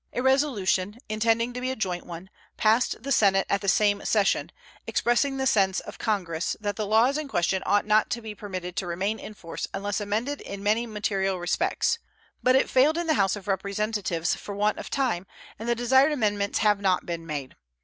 A resolution, intending to be a joint one, passed the Senate at the same session, expressing the sense of Congress that the laws in question ought not to be permitted to remain in force unless amended in many material respects; but it failed in the House of Representatives for want of time, and the desired amendments have not been made.